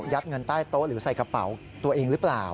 เงินใต้โต๊ะหรือใส่กระเป๋าตัวเองหรือเปล่า